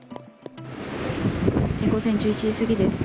午前１１時過ぎです。